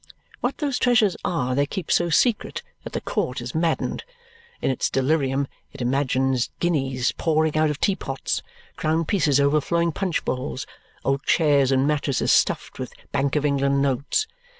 What those treasures are they keep so secret that the court is maddened. In its delirium it imagines guineas pouring out of tea pots, crown pieces overflowing punch bowls, old chairs and mattresses stuffed with Bank of England notes.